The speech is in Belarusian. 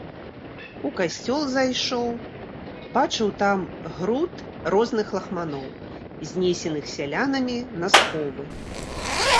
У касцёл зайшоў, бачыў там груд розных лахманоў, знесеных сялянамі на сховы.